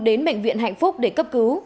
đến bệnh viện hạnh phúc để cấp cứu